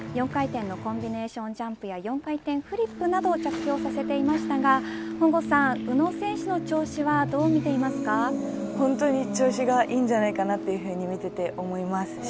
４回転のコンビネーションジャンプや、４回転フリップなど着氷させていましたが宇野選手の調子は本当に調子がいいんじゃないかとみていて思います。